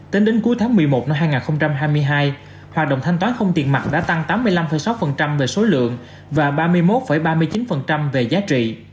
tính đến cuối tháng một mươi một năm hai nghìn hai mươi hai hoạt động thanh toán không tiền mặt đã tăng tám mươi năm sáu về số lượng và ba mươi một ba mươi chín về giá trị